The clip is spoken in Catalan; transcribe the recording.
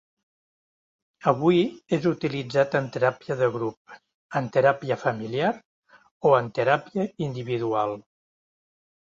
Avui és utilitzat en teràpia de grup, en teràpia familiar o en teràpia individual.